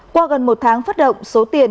qua gần một tháng phát động số tiền